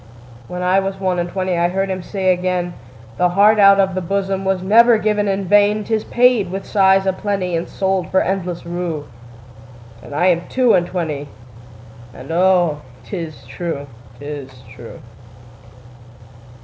When I was one and twentyI heard him say again,'The heart out of the bosomWas never given in vain;'Tis paid with sighs a plentyAnd sold for endless rue.'And I am two and twenty, And oh, 'tis true, 'tis true.